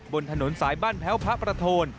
บนถนนสายบ้านแพ้วพระประโทน